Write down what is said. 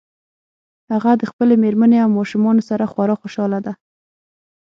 هغه د خپلې مېرمنې او ماشومانو سره خورا خوشحاله ده